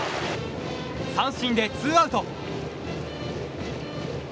三振でツーアウト。